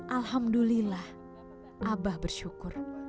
alhamdulillah abah bersyukur